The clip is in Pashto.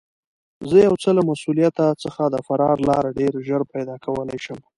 زه یو څه له مسوولیته څخه د فرار لاره ډېر ژر پیدا کولای شم.